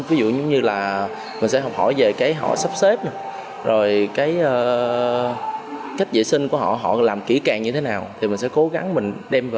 ví dụ như là mình sẽ học hỏi về cái họ sắp xếp rồi cái cách vệ sinh của họ họ làm kỹ càng như thế nào thì mình sẽ cố gắng mình đem về